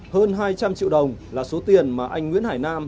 hơn hai trăm linh triệu đồng là số tiền mà anh nguyễn hải nam